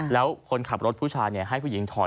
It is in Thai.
แล้วคนขับรถผู้ชายให้ผู้หญิงถอย